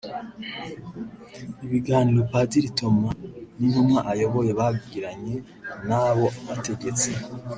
Ibiganiro Padiri Thomas n’intumwa ayoboye bagiranye n’abo bategetsi